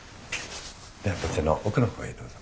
ではこちらの奥の方へどうぞ。